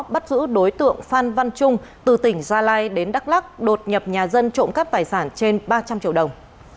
bắt giữ đối tượng phan văn trung từ tỉnh gia lai đến đắk lắc đột nhập nhà dân trộm cắp tài sản trên ba trăm linh triệu đồng